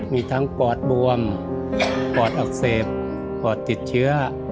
มีทั้งปอดบวมปอดอักเสบปอดติดเชื้อ